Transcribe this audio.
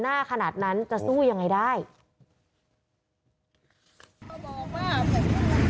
เพราะถูกทำร้ายเหมือนการบาดเจ็บเนื้อตัวมีแผลถลอก